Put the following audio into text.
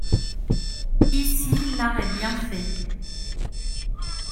Ici l'art est bienfait.